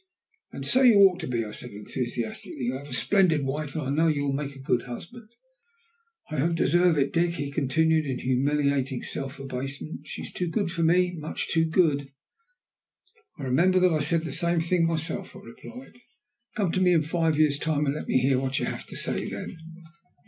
"And so you ought to be," I said enthusiastically. "You'll have a splendid wife, and I know you'll make a good husband." "I don't deserve it, Dick," he continued in humiliating self abasement. "She is too good for me, much too good." "I remember that I said the same thing myself," I replied. "Come to me in five years' time and let me hear what you have to say then."